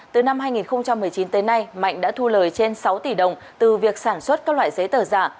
từ năm hai nghìn một mươi chín tới nay mạnh đã thu lời trên sáu tỷ đồng từ việc sản xuất các loại giấy tờ giả